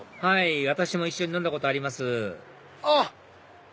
はい私も一緒に飲んだことありますあっ！